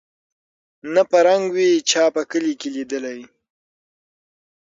نه په رنګ وې چا په کلي کي لیدلی